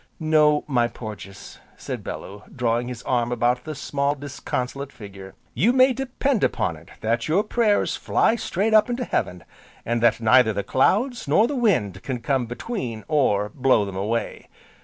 "No, my Porges," said Bellew, drawing his arm about the small disconsolate figure, "you may depend upon it that your prayers fly straight up into heaven, and that neither the clouds, nor the wind can come between, or blow them away.